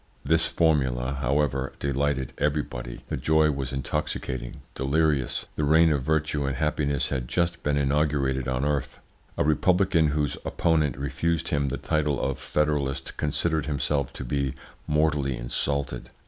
This formula, however, delighted everybody; the joy was intoxicating, delirious. The reign of virtue and happiness had just been inaugurated on earth. A republican whose opponent refused him the title of federalist considered himself to be mortally insulted.